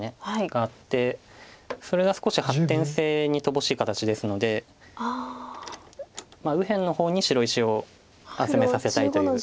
があってそれが少し発展性に乏しい形ですので右辺の方に白石を集めさせたいという。